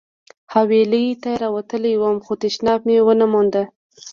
حویلۍ ته راووتلم خو تشناب مې ونه موند.